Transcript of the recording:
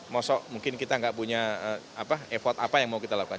maksudnya mungkin kita nggak punya effort apa yang mau kita lakukan